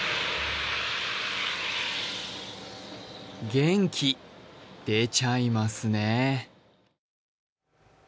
元気、出ちゃいますね。